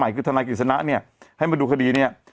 คือทนายกิจสนะให้มาดูคดีเนี่ย